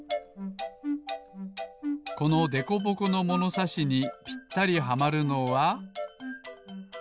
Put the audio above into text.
このでこぼこのものさしにぴったりはまるのは。